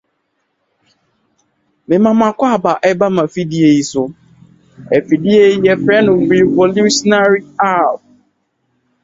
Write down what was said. Like the other Rat Pack members, he rose rapidly in the Liberal ranks.